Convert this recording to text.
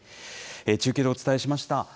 中継でお伝えしました。